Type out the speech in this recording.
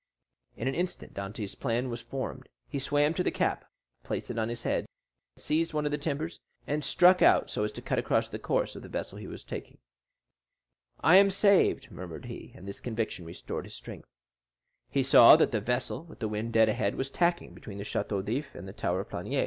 In an instant Dantès' plan was formed. He swam to the cap, placed it on his head, seized one of the timbers, and struck out so as to cut across the course the vessel was taking. "I am saved!" murmured he. And this conviction restored his strength. He soon saw that the vessel, with the wind dead ahead, was tacking between the Château d'If and the tower of Planier.